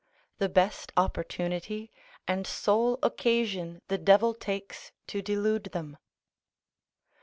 The best opportunity and sole occasion the devil takes to delude them.